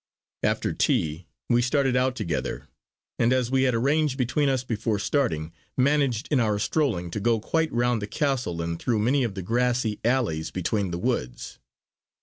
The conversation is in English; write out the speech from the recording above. After tea we started out together; and as we had arranged between us before starting, managed in our strolling to go quite round the castle and through many of the grassy alleys between the woods.